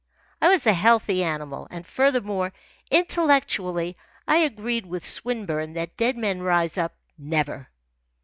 I was a healthy animal, and furthermore, intellectually, I agreed with Swinburne that dead men rise up never.